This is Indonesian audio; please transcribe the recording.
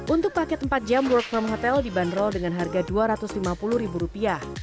untuk paket empat jam work from hotel dibanderol dengan harga rp dua ratus lima puluh